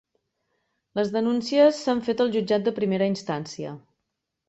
Les denúncies s'han fet al jutjat de primera instància